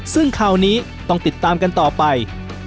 ซึ่งคราวนี้ต้องติดตามกันต่อไป